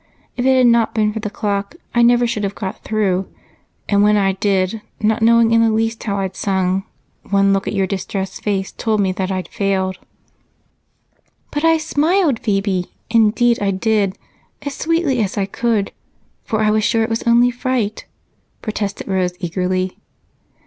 If it had not been for the clock I never should have gotten through, and when I did, not knowing in the least how I'd sung, one look at your distressed face told me I'd failed." "But I smiled, Phebe indeed I did as sweetly as I could, for I was sure it was only fright," protested Rose eagerly.